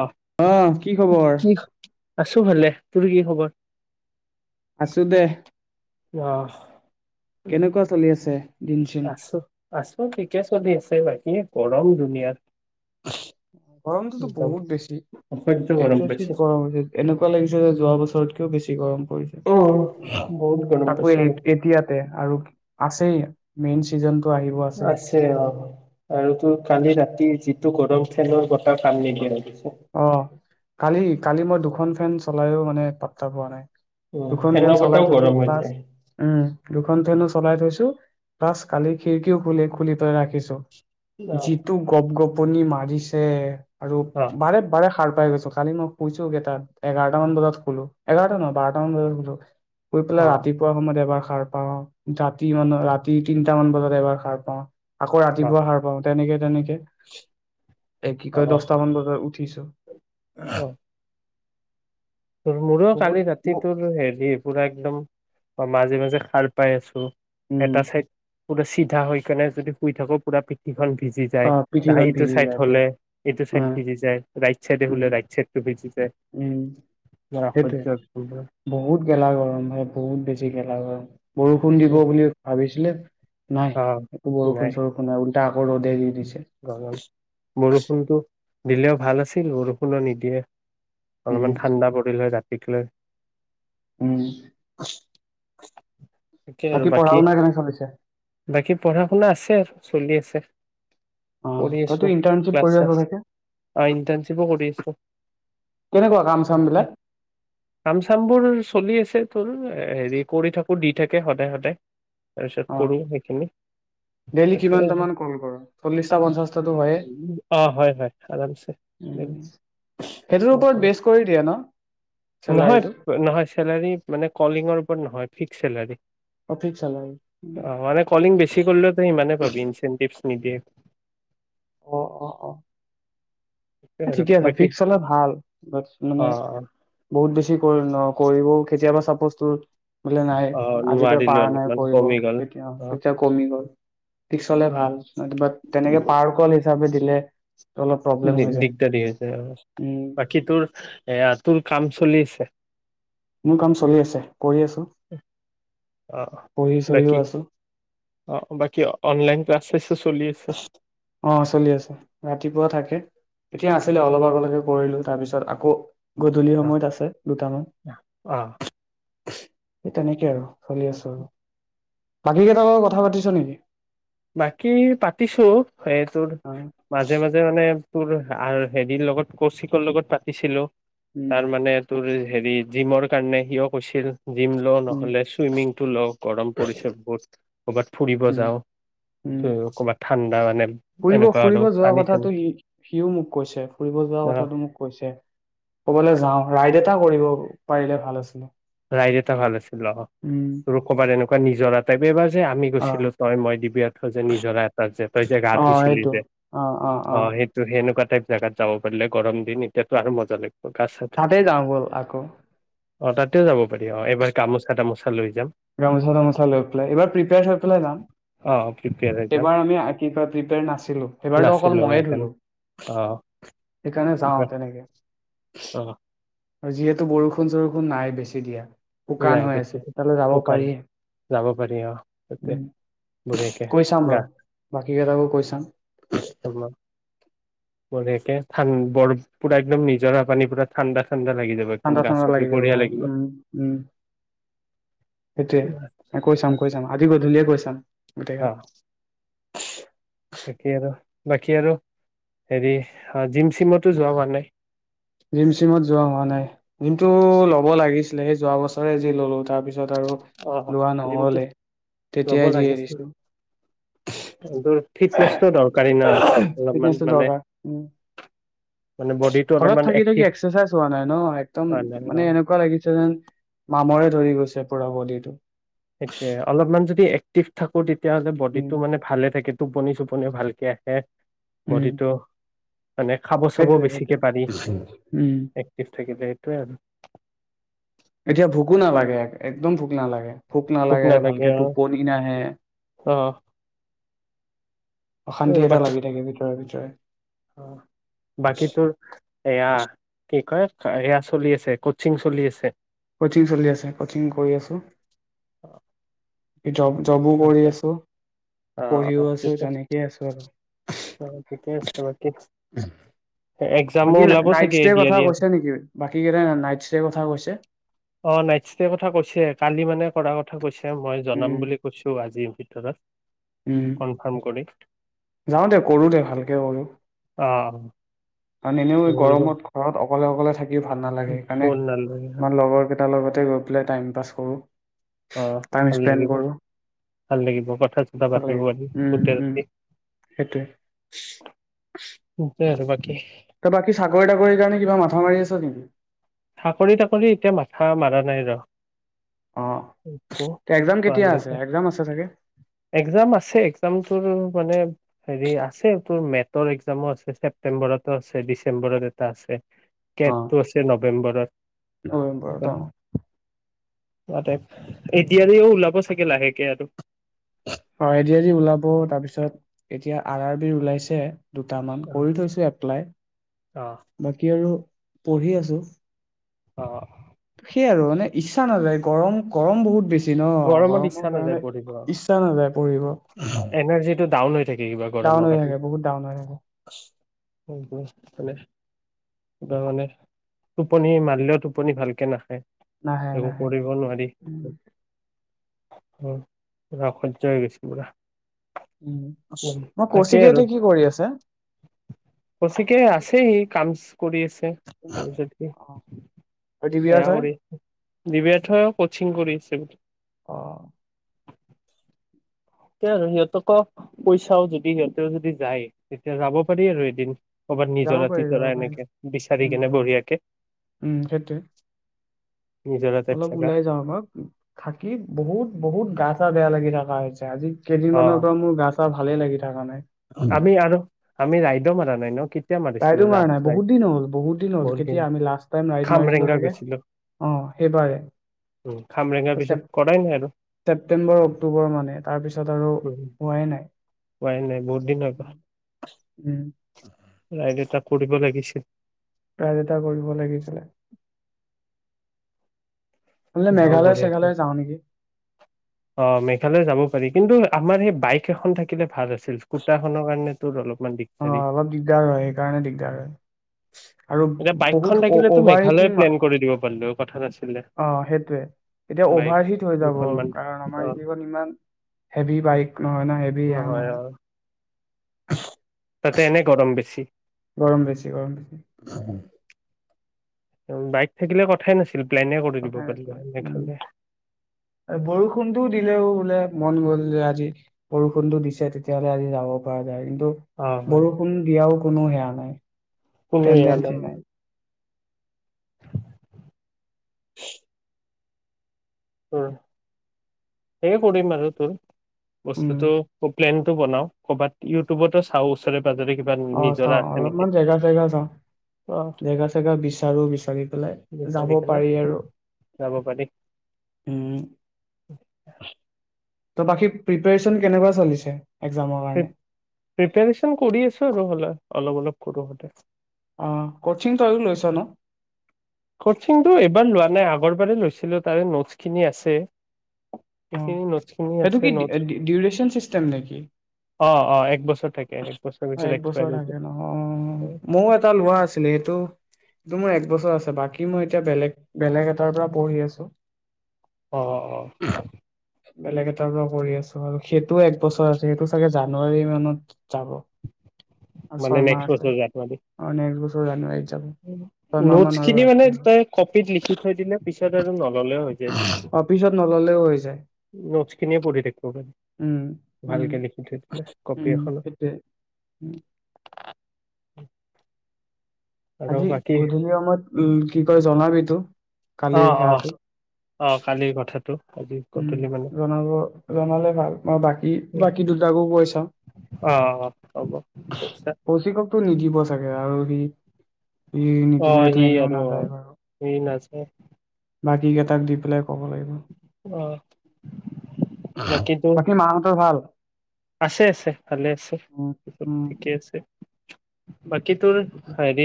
অ অ', কি খবৰ? কি আছো ভালে। তোৰ কি খবৰ? আছোঁ দে। ৱাহ। কেনেকুৱা চলি আছে? দিন চিন আছোঁ। আছোঁ, ঠিকে চলি আছে। আৰু বাকী, গৰম ধুনীয়া গৰমটোতো বহুত বেছি অসহ্য গৰম পাইছো এগজৰ্চিভ গৰম হৈছে এনেকুৱা লাগিছে যে যোৱা বছৰ চবতকৈও বেছি গৰম অ বহুত গৰম তাকো পাইছো এতিয়াতে আৰু আছেই মেইন চিজনতটো আছে আৰু আৰু তোৰ কালি ৰাতি যি টো গৰম ফেনৰ বতাহ কাম নিদিয়া হৈ গৈছে। অ কালি কালি মই দুখন ফেন চলাইো মানে পাত্তা পোৱা নাই। উম দুখন ফেন ফেনৰ বতাহ চলাই থৈছো গৰম হৈ প্লাছ যায় উ দুখন ফেনো চলাই থৈছো, প্লাছ কালি খিৰিকীও খুলি, খুলি থৈ ৰাখিছো। অ জিটো গপ গপ টোপনি মৰিছে আৰু অ বাৰে বাৰে সাৰ পাই গৈছো কালি মই শুইছো কেইটাত এঘাৰটামান বজাত শুলো এঘাৰটা নহয় বাৰটামান বজাত শুলো শুই অ পেলাই ৰাতিপুৱা সময়ত এবাৰ খাৰ পাওঁ ৰাতি মানত ৰাতি তিনটা মান বজাত এবাৰ সাৰ পাওঁ আকৌ ৰাতিপুৱা সাৰ পাওঁ তেনেকে তেনেকে এ কি অ কয় দচটামান বজাত তই উঠিছ অ তোৰ মোৰো কালি ৰাতিতোৰ হেৰি পুৰা একদম মাজে মাজে সাৰ পাই আছো উম এটা ছাইত পোৰা চিধা হৈ কেনে যদি শুই থাকো পুৰা পিঠিখন ভি ভিজি অ যায়। পিঠিখন এইটো ভিজি চাইড যায় পুৰা হ'লে, এইটো উম চাইড ভিজি যায়। ৰাইট চাইডে উম শুলে ৰাইট চাইড টো ভিজি যায় উম। মোৰ অসহ্য সেইটোয়ে বহুত গেলা গৰম বহুত বেছি গেলা গৰম। অ বৰষুণ দিব বুলি ভাবিছেো লেফ্ট নাই অ একো বৰষুণ চৰষুণ নাই উল এতিয়া আক' ৰ'দেই দি দিছে বৰষুণটো দিলেও ভাল আছিল বৰষুণো নিদিয়ে। উম অলপমান ঠাণ্ডা পৰিল হৈ গাত। শিকিলে। উম তাকে বাক আৰু কি পঢ়া বাকী শুনা কেনে চলিছে বাকী পঢ়া শুনা আছে আৰু চলি আছে। অ কৰি তইতো আছো ইণ্টাৰ্ণশ্বিপ ক্লাছ কৰি আছ চাচ, চাগে ইন্টাৰনশিপো কৰি আছোঁ, কেনেকুৱা কাম চাম বিলাক কাম চাম বোৰ চলি আছে তোৰ, হেৰি কৰি থাকো দি থাকে সদায় সদায় তাৰপিছত অ কৰো সেইখিনি ডেইলি সেইটোৱে কিমানটামান কল কৰ চল্লি? অ হয় হয় আৰামছে, উম সেইটোৰ ওপৰত বেচ কৰি দিয়ে ন নহয়, চেলাৰীটো নহয় চেলাৰী মানে কলিঙৰ ওপৰত নহয় ফিক্স এেলী অ ফিক্স চেলাৰী অ মানে কলিং বেছি কৰিলেও তই সিমানে পাবি ইনচেটিভচ নিদিয়ে অ অ অ সেইটোৱে আৰু ঠিকে আছে বাকী ফিক্স হ'লে ভাল মানে অ বহুত বেছি। ন কৰিবও কেতিয়াবা চাপজ তোৰ বোলে নাই অ আজিতয়ে নোৱাৰিলো পৰাাৰ নাই অলপমান কৰিব কমি গ'ল কেতিয়া অ কেতিয়া কমি গল িক হলে ভাল বা তেনেকে পাৰ ক'ল হিচাপে দিলে। অলপ প্ৰব্লেম হৈ যায়। ইত্যাদি হৈছে আৰু উম বাকী তোৰ এয়া তোৰ কাম চলি আছে? মোৰ কাম চলি আছে কৰি আছো অ পঢ়ি চঢ়িও বাকী আছো অ বাকী [unintelligible] আছে অ চলি আছে ৰাতিপুৱা থাকে, এতিয়া আছিলে অলপ, আগলৈকে কৰিলোঁ তাৰপিছত আকৌ। গধূলি অ সময়ত আছে দুটামান। অ সেই তেনেকে আৰু চলি আছোঁ আৰু বাকী কেইটাৰ লগত কথা পাতিছ নেকি? বাকী পাতিছো, সেইটোৰ অ মাজে মাজে মানে তোৰ হেৰিৰ লগত কৌশিকৰ লগত পাতিছিলোঁ। উম তাৰ মনে তুৰ হেৰি জিমৰ কাৰণে সিয়ো কৈছিল। জিম লওঁ উম নহ'লে চুইমিংটো লওঁ গৰম পৰিছে বহুত, কৰ'বাত ফুৰিব উম যাওঁ। উম [unintelligible] ঠাণ্ডা মানে ফুৰিব এনেকুৱা আৰু ফুৰিব যোৱা পানী চানী কথাটো সি সিও মোক কৈছে ফুৰিব যোৱা অ কথাটো মোক কৈছে। ক'বালৈ যাওঁ ৰাইড এটা কৰিব পাৰিলে ভাল আছিলে। [unintelligible] এটা ভাল আছে ল উম, ক'বা তেনেকুৱা নিজৰ আটাই [inaudible] যে আমি গৈছিলো অ', তই মই দিবি এ থ যে নিজৰা এটাট যে তই যে গা ধুইছিলি যে, অ, সেইটো সেনেকুৱা টাইপ জেগাত যাব পাৰিলে গৰম দিন এতিয়াতো আৰু মজা লাগে তাতেই যাওঁ ব'ল আকৌ। অ, তাত তেও যাব পাৰি অ, এইবাৰ গামোচা তামোচা লৈ। যাম গামোচা তামোচা লৈ পেলাই এইবাৰ প্ৰিপেয়াৰ হৈ পেলাই যাম অ প্ৰিপেয়াৰ হৈ যাম এইবাৰ আমি [unintelligible] প্ৰিপেয়াৰ নাছিলো এইবাৰতো অকল নাছিলো ময়ে ধুলো সেইকাৰণে অ সেইকাৰণে যাওঁ এইবাৰ তেনেকে। অ আৰু যিহেতু বৰষুণ-চৰষুণ নাই বেছি দিয়া। শুকান নাই হৈ বেছি আছে তালে যাব শুকান পাৰিম। যাব পাৰি অ', তাতে উম বঢ়িয়াকে কৈ চাম ৰ গা বাকী কেইটাকো কৈ চাম। বডীয়াকে ঠান বৰ পুৰা একদম নিজৰা পানী পুৰা ঠাণ্ডা, ঠাণ্ডা লাগি যাব একদম ঠাণ্ডা, গা ঠাণ্ডা, চা ধুই লাগি যাব বঢ়িয়া লাগিব উম উম সেইটোৱে কৈ চাম কৈ চাম আজি গধূলিয়ে কৈ চাম। অ গোটেইকেইটা বাকী আৰু বাকী আৰু হেৰি জিম চিমতো যোৱা হোৱা নাই। জিম চিমত যোৱা হোৱা নাই। জিমটো ল'ব লাগি ছিলে সেই যোৱা বছৰে যি ললো তাৰ পিছত পিছত আৰু অ লোৱা জিমটো নহলে, ল'ব তেতিয়াই যি লাগিছিল এৰিছো। তোৰ ফিটনেচটো দৰকাৰী ন অলপমান ফিটনেচটো মানে দৰকাৰ। উম, মানে বডিটো ঘৰত অলপমান থাকি থাকি এক্টিভ এক্সাৰচাইজ হোৱা নাই ন'। একদম মানে এনেকুৱা লাগিছে যেন মামৰে ধৰি গৈছে পুৰা বডিটো। সেইটোয়ে, অলপমান যদি এক্টিভ থাকো তেতিয়াহলে বডীটো উম মানে ভালে থাকে। টোপনি-চোপনি ভালকে আহে। উম বডীটো, মানে খাব চাব সেইটোৱে বেছিকে সেইটোৱে পাৰি, উম এক্টিভ থাকিলে। সেইটোৱে আৰু। এতিয়া ভুকু নালাগে একদম ভুক ভোক নালাগে ভোক নালাগে ভালকে টোপনি নাহে অ সেইটোৱে অশান্তি আৰু এটা বাকী লাগি থাকে ভিতৰে ভিতৰে। হয় অ বাকী তোৰ এয়া কি কয় এয়া চলি আছে কচিং চলি আছে কচিং চলি আছে কচিং কৰি আছো অ [unintelligible] জবো কৰি আছো অ অ পঢ়িও আছো ঠিকে যেনেকেই আছো আৰু অ ঠিকে আছে বাকী এক্জামো বাকী ওলাব নাইট চাগে ষ্টেৰ এদি আৰি কথা কৈছে নেকি বাকী কেইটাই নাইট ষ্টেৰ কথা কৈছে অ নাইট ষ্টে কথা কৈছে কালি মানে কৰা কথা কৈছে মই জনাম উম বুলি অ আজিৰ ভিতৰত উম কনফাৰ্ম কৰি যাওঁ দে কৰো দে ভালকে কৰোঁ। উ কাৰণ এনেও এই গৰমত ঘৰত অকলে অকলে থাকি থাকিও ভাল নালাগে সেই কাৰণে ব'ল নালাগে হা আমাৰ লগৰ কেইটাৰ লগত তাতে গৈ পেলাই টাইম পাছ কৰোঁ। অ ভাল লাগিব ভাল লাগিব কথা চথা ভাল পাতিব লাগিব পাৰি উম গোটে উম ৰাতি সেইটোৱে কি ত‌ই বাকী চাকৰি তাকৰিৰ কাৰণে কিবা মাথা মাৰি আছা নেকি? চাকৰি তাকৰি এতিয়া মাথা মৰা নাই ৰ'। অ এক্জাম কেতিয়া আছে [unintelligible] এক্জাম আছে চাগে একজাম আছে একজাম তোৰ মানে হেৰি আছে তোৰ মেটৰ এক্জামো আছে, ছেপ্তেম্বৰতো আছে, ডিচেম্বৰত এটা আছে। অ কেটটো আছে ন [unintelligible] নৱেম্বৰত অ'। [unintelligible] এই ডি আৰ ই উ ওলাব চাগে লাহেকে আৰু। অ' এ ডি আৰ‌ ই ওলাব তাৰপিছত এতিয়া আৰ আৰ বি ওলাইছে। দুটামান অ কৰি থৈছো এপ্লাই, অ বাকী আৰু পঢ়ি আছোঁ। অ'। সেইয়া আৰু মানে ইচ্ছা নাযায় গৰম গৰম বহুত বেছি ন গৰমত ইচ্ছা গৰমৰ নাযায় কাৰণে পঢ়িব ইচ্ছা নাযায় পৰিব এনাৰ্জিটো চা [unintelligible] ডাউন হৈ থাকে বহুত ডাউন হৈ আহে মানে কিবা মানে টোপনি মাৰলেও টোপনি ভালকে নাহে নাহে নাহে উ পৰা অসহ্য হৈ গৈছে পুৰা উ উম মই কৌচিকেতো কি কৰি আছে কচিকৈ আছে সি কাম কৰি আছে তাৰপিছত কি অ দিবিয়াৰ বেয়া তই কৰি দিব এথৈও কোচিং কৰি আছে বুলি অ [inaudible] তে আৰু সিহঁতকো পইচাও যদি সিহঁতেও যদি যায় তেতিয়া যাব পাৰি আৰু এদিন ক'ৰবাত যাব নিজৰা পাৰি যাব তিজৰা পাৰি এনেকে বিচাৰি উম কেনে বঢ়িয়াকে উম সেইটোৱে নিজৰা টাইপ অলপ জেগা ওলাই যাও অলপ থাকি বহুত বহুত গাত বেয়া লাগি থকা হৈছে আজি অ কেইদিনমানৰ পৰা মোৰ গাছ ভালেই লাগি থাকা নাই আমি আৰু আমি ৰাইদু মাৰা নাই ন মাৰিছিলো ৰাইডো মাৰা ৰাফ নাই ৰাইড বহুত দিন হ'ল বহুত দিন হ'ল কেতিয়া আমি লাষ্টটাইম ৰাইড মাৰি খামৰেংগা চাগে গৈছিলো অ সেইবাৰে উম খামৰেংগাৰ পিছত কৰাই নাই আৰু ছেপটেম্বৰ অক্টোবৰ মানে তাৰপিছত ছত আৰু উম হোৱাই নাই উম লাইতে ত কৰিব লাগিছিল ৰাইড এটা কৰিব লাগিছিলে নহলে যাও মেঘালয় পাৰি চেঘালয় যাওঁ নেকি অ মেঘালয় যাব পাৰি কিন্তু আমাৰ সেই বাইক এখন থাকিলে ভাল আছিল স্কুটাৰখনৰ কাৰণে তোৰ অলপ অ অলপ দিগদাৰ হয় সেইকাৰণে দিগদাৰ হয় আৰু এতিয়া বাইকখন বহুত থাকিলেতো অভাৰ মেঘালয়ে হিটিং অ প্লেন কৰি দিব পাৰিলো হয় কথা নাছিলে সেইটোৱে এতিয়া বাইক অভাৰ হিট হৈ যাব দুখনমান কাৰণ অ আমাৰ এইকিখন ইমান হেভি বাইক নহয় ন হেভি এয়া নহয় [inaudible] তাতে এনে গৰম বেছি গৰম বেছি গৰম বেছি [inaudible] বাইক থাকিলে কথাই নাছিল প্লেনে কৰি দিব কথাই পাৰিলো নাছিলে হয় উম মেঘালয় আৰু বৰষুণটোও দিলেও বোলে মন গ'ল আজি বৰষুণটো দিছে তেতিয়াহ'লে আজি যাব পাৰ কিন্তু অ হয় বৰষুণ দিয়াও কোনো হেয়া নাই কোনো এয়া টেডেঞ্চি নাই [unintelligible] তোৰ সেই কৰিম আৰু তোৰ উম বস্তুটো [unintelligible] প্লেন বনাও, ক'বাত ইউটিউবতো চাওঁ উছৰে অ চাও অলপমান জেগা ভ্ৰচেগা চাওঁ। অ ‌ জেগা চেগা বিচাৰো বিচাৰি পেলাই যাব বিচাৰি কেনে পাৰি আৰু যাব পাৰি উম ত' বাকী প্ৰিপাৰেচন কেনেকুৱা চলিছে? এক্জামৰ কাৰণে প্ৰিপাৰেচন কৰি আছো আৰু হ'লে। অলপ অলপ কৰোহঁতেন অহ কচিং তয়ো লৈছ ন? ক'চিংটো এইবাৰ লোৱা নাই, আগৰবাৰে লৈছিলোঁ তাৰে নোটছখিনি আছে। অ এইখিনি নোটচ খিনি সেইটো কি আছে। নোটচ ডিউৰেচন চিষ্টেম নেকি অ অ একবছৰত থাকে বছৰ পিছত এক বছৰ এক্সপায়াৰ হৈ থাকে যায় নহয়, অ ময়ো এটা লোৱা আছিলে এইটো সিটো মোৰ এক বছৰ আছে বাকী মই এতিয়া বেলেগ বেলেগ এটাৰ পৰা পঢ়ি আছো। অ‌ অ অ বেলেগ এটাৰ পৰা কৰি আছো আৰু সেইটোও এক বছৰ আছে। সেইটো চাগে জানুৱাৰী মানত যাব। আৰু মানে ছয়মাহ নেক্সট আছে বছৰ জানুৱাৰীত [unintelligible] ছয়মাহ নোটছ মান আৰু খিনি মানে আছে আৰু। তাই কপিত লিখি থৈ দিলে পিছত [unintelligible] গ'লে হৈ যায় কিন্তু অ পিছত নললেও হৈ যায় নোটচ খিনিয়ে পঢ়ি দেখুৱাব। উম উম ভালকে লিখি থৈ দিলে কপি উম এখনত। সেইটোৱে উম, [unintelligible] আৰু আজি বাকী গধূলি সময়ত উম কি কয় জনাবি তো? অহ অহ অহ কালিৰ কথাতো উম জনাব জনালে ভাল মই বাকী বাকী দুটাকো কৈ চাওঁ। অ অ হ'ব পইচা কৌশিককো নিদিব চাগে আৰু সি সি অহ নিদিলেতো সি এনেও আৰু নাযায় বাৰু সি নাযব অ বাকী কেইটাক দি পেলাই কব লাগিব অ বাকী তোৰ বাকি মাহতৰ ভাল আছে আছে ভালে আছে উম চব উম ঠিকে আছে বাকী তোৰ ঠিকে, ঠিকে। হেৰি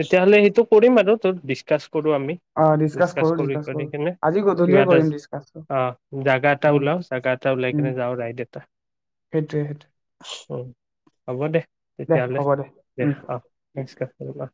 তেতিয়াহলে সেইটোক কৰিম আৰু তাত ডিচকাচ কৰো আমি অ কৰো ডিচকাচ কৰি কৰি কৰো কিনে আজি গধূলিয়ে কিবা এটা কৰিম ডিচকাচটো অ জাগা এটা উম ওলায় জাগা এটা উলাই উম কেনে যাওঁ ৰাইড এটা সেইটোৱে সেইটোৱে উম হ'ব দে দে তেতিয়াহ'লে হ'ব দে উম অঁ দে ডিছকাছ কৰিম অ